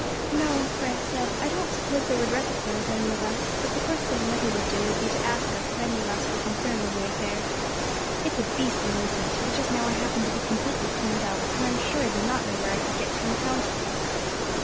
"No," Frank said, "I don't suppose they would recognise any of us; but the first thing Litter would do would be to ask us if any of us were concerned in the affair. It's a beastly nuisance, for just now I happen to be completely cleaned out, and I am sure I do not know where I could get ten pounds from."